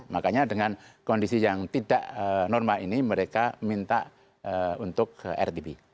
makanya dengan kondisi yang tidak normal ini mereka minta untuk rtb